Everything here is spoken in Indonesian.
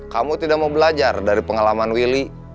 kamu tidak mau belajar dari pengalaman willy